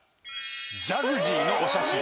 ジャグジーのお写真。